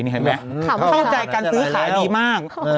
ไงแม่กันจะไหลแล้วเค้าเข้าใจกันซื้อขายดีมาก